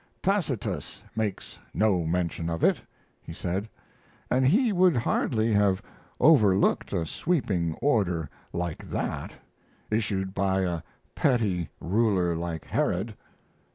"Tacitus makes no mention of it," he said, "and he would hardly have overlooked a sweeping order like that, issued by a petty ruler like Herod.